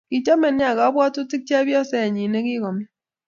Kichome nea kabwatutik che chebyoset nyin ni kikome